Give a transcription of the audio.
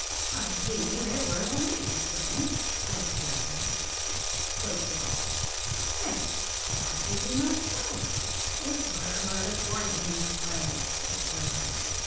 "I deem it were an easy thing," said the burgher. Quoth Ralph: "Then why do ye not so?" "It were but a poor game to play," said the burgher.